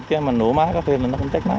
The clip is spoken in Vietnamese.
chứ mà nổ máy có khi nó cũng chết máy